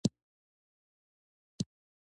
د بالامرګ کلی موقعیت